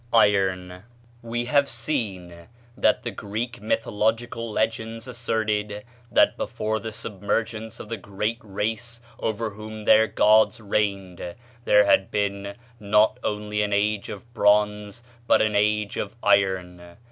Iron. have seen that the Greek mythological legends asserted that before the submergence of the great race over whom their gods reigned there had been not only an Age of Bronze but an Age of Iron.